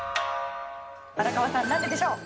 荒川さん、何ででしょう。